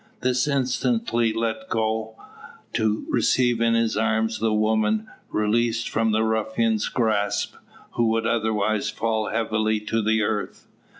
This instantly let go, to receive in his arms the woman, released from the ruffian's grasp, who would otherwise fall heavily to the earth.